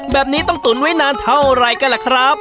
แบบนี้ต้องตุ๋นไว้นานเท่าไหร่กันล่ะครับ